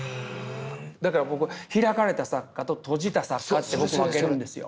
だから僕「開かれた」作家と「閉じた」作家って僕分けるんですよ。